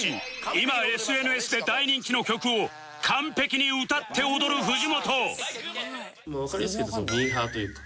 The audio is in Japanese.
今 ＳＮＳ で大人気の曲を完璧に歌って踊る藤本